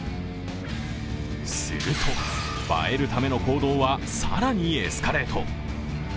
すると、映えるための行動は更にエスカレート。